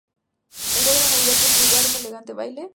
El día de Navidad tiene lugar un elegante baile.